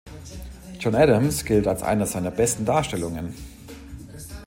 John Adams gilt als einer seiner besten Darstellungen.